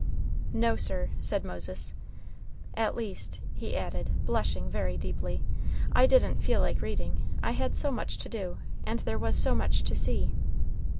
"No, sir," said Moses; "at least," he added, blushing very deeply, "I didn't feel like reading. I had so much to do, and there was so much to see."